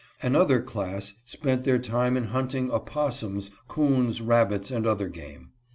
Another class spent their time in hunting opossums, coons, rabbits, and other game.